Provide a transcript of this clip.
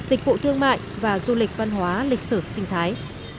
dịch vụ thương mại và du lịch văn hóa lịch sử sinh thái